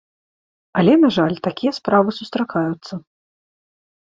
Але, на жаль, такія справы сустракаюцца.